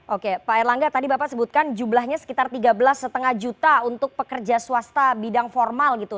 oke pak erlangga tadi bapak sebutkan jumlahnya sekitar tiga belas lima juta untuk pekerja swasta bidang formal gitu